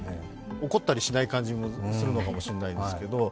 怒ったりしない感じもするのかもしれないですけど。